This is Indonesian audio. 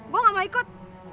gue gak mau ikut